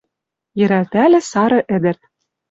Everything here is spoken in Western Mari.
Йӹрӓлтӓльӹ сары ӹдӹр